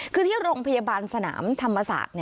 คือที่โรงพยาบาลสนามธรรมศาสตร์